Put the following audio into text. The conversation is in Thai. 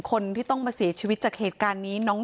คุณยายบอกว่ารู้สึกเหมือนใครมายืนอยู่ข้างหลัง